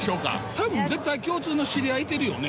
多分絶対共通の知り合いいてるよね。